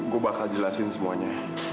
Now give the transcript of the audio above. gue bakal jelasin semuanya